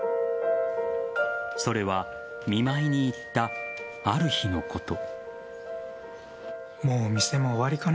それは見舞いに行ったある日のこと。